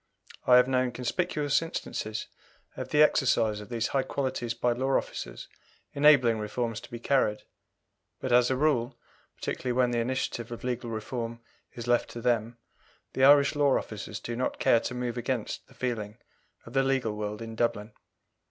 I have known conspicuous instances of the exercise of these high qualities by law officers enabling reforms to be carried, but as a rule, particularly when the initiative of legal reform is left to them, the Irish law officers do not care to move against the feeling of the legal world in Dublin.